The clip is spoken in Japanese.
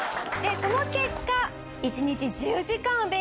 その結果。